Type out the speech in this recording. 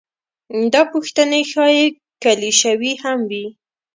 دا پوښتنې ښايي کلیشوي هم وي.